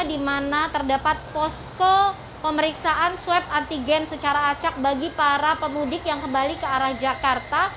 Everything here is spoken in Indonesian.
di mana terdapat posko pemeriksaan swab antigen secara acak bagi para pemudik yang kembali ke arah jakarta